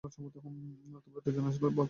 তোমরা দুজন আসলেই গাছ-বলদ!